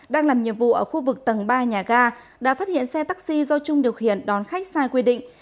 đang làm nhiệm vụ ở khu vực tầng ba nhà ga đã phát hiện xe taxi do trung điều khiển đón khách sai quy định